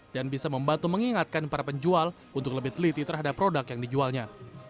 dan bisa membantu mengingatkan para penjual untuk lebih teliti terhadap produk yang dijualnya